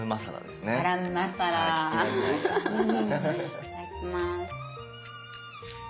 いただきます。